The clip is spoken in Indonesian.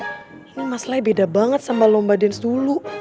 ini masalahnya beda banget sama lomba dance dulu